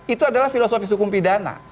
itu adalah filosofis hukum pidana